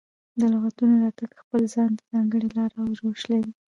د لغتونو راتګ خپل ځان ته ځانګړې لاره او روش لري.